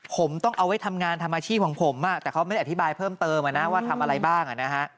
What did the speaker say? ผมต้องเอาไว้ทำงานทำอาชีพของผมแต่เขาไม่ได้อธิบายเพิ่มเติมว่าทำอะไรบ้าง